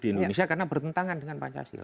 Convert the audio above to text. di indonesia karena bertentangan dengan pancasila